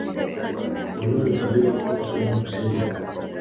Waluo ni kabila kutoka Sudan Kusini